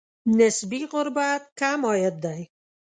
نسبي غربت کم عاید دی.